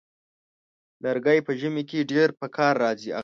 لرګی په ژمي کې ډېر پکار راځي.